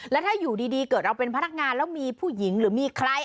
แล้วถ้าอยู่ดีเกิดเราเป็นพนักงานแล้วมีผู้หญิงหรือมีใคร